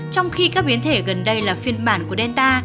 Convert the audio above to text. trong khi các biến thể gần đây là phiên bản của delta